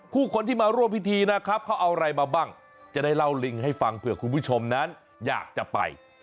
ผู้คนที่มาร่วมพิธีนะครับเขาเอาอะไรมาบ้างจะได้เล่าลิงให้ฟังเผื่อคุณผู้ชมนั้นอยากจะไป